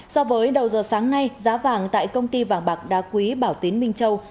so với đầu giờ sáng nay giá vàng tại công ty vàng bạc đá quý bảo tín minh châu